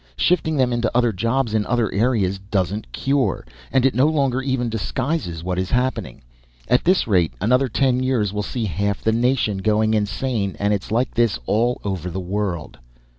Shifting them into other jobs in other areas doesn't cure, and it no longer even disguises what is happening. At this rate, another ten years will see half the nation going insane. And it's like this all over the world.